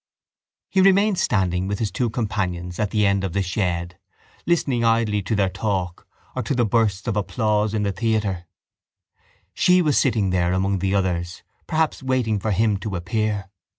He remained standing with his two companions at the end of the shed listening idly to their talk or to the bursts of applause in the theatre. She was sitting there among the others perhaps waiting for him to appear.